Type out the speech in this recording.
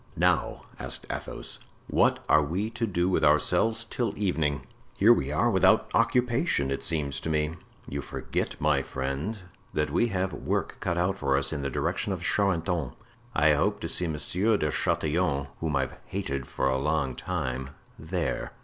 "Now," asked Athos, "what are we to do with ourselves till evening? Here we are without occupation, it seems to me." "You forget, my friend, that we have work cut out for us in the direction of Charenton; I hope to see Monsieur de Chatillon, whom I've hated for a long time, there."